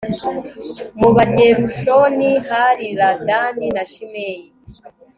mu bagerushoni hari ladani na shimeyi